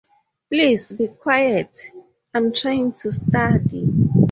Please be quiet, I'm trying to study.